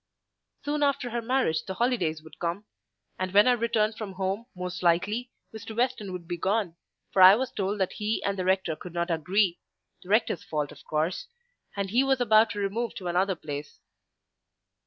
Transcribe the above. Soon after her marriage the holidays would come; and when I returned from home, most likely, Mr. Weston would be gone, for I was told that he and the Rector could not agree (the Rector's fault, of course), and he was about to remove to another place.